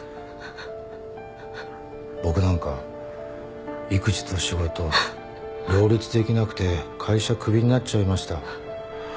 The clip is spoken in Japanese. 僕なんか育児と仕事両立できなくて会社クビになっちゃいました。